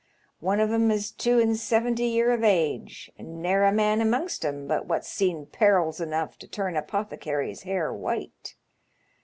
One of 'em is two an' seventy year of age, and ne*er a man amongst 'em bnt what*B seen perils enough to turn a Apothecary's hair white.